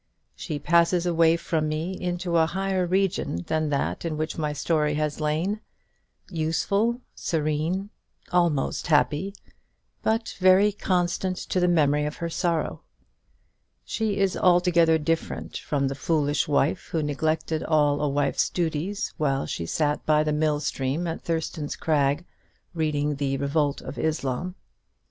She passes away from me into a higher region than that in which my story has lain, useful, serene, almost happy, but very constant to the memory of sorrow, she is altogether different from the foolish wife who neglected all a wife's duties while she sat by the mill stream at Thurston's Crag reading the "Revolt of Islam."